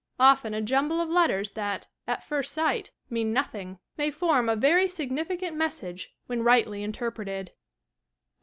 Often a jumble of letters that, at first sight, mean noth ing, may form a very significant message, when rightly interpreted.